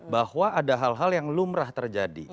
bahwa ada hal hal yang lumrah terjadi